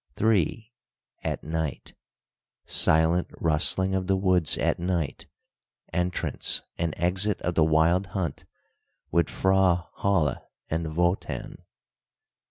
III. AT NIGHT SILENT RUSTLING OF THE WOODS AT NIGHT. ENTRANCE AND EXIT OF THE WILD HUNT WITH FRAU HOLLE AND WOTAN.